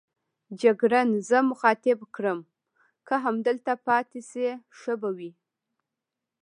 جګړن زه مخاطب کړم: که همدلته پاتې شئ ښه به وي.